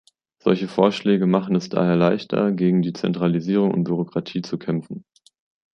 Solche Vorschläge machen es daher leichter, gegen die Zentralisierung und Bürokratie zu kämpfen.